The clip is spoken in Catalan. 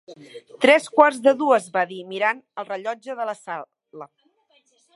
"Tres quarts de dues", va dir, mirant el rellotge de la sala.